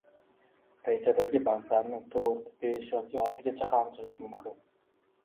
Rejadagi bandlarni to‘rt, besh yoki oltitagacha ham tuzish mumkin.